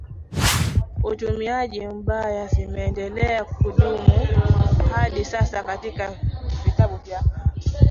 utumiaji mbaya zimeendelea kudumu hadi sasa katika vitabu vya